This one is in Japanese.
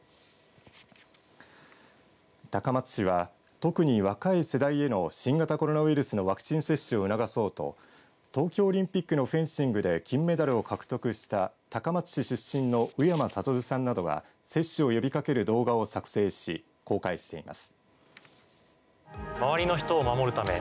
高松市は特に若い世代への新型コロナウイルスのワクチン接種を促そうと東京オリンピックのフェンシングで金メダルを獲得した高松市出身の宇山賢さんなどが接種を呼びかける動画を作成し公開しています。